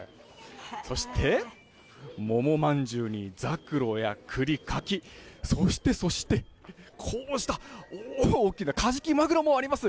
そして、桃まんじゅうに、ざくろやくり、柿、そしてそして、こうした大きなカジキマグロもあります。